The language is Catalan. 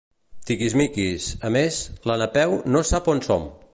Tiquismiquis— A més, la Napeu no sap on som!